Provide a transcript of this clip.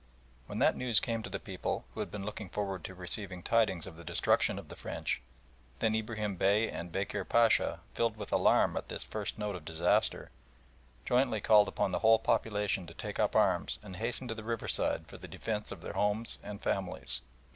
When that news came to the people, who had been looking forward to receiving tidings of the destruction of the French, then Ibrahim Bey and Bekir Pacha, filled with alarm at this first note of disaster, jointly called upon the whole population to take up arms and hasten to the riverside for the defence of their homes and families.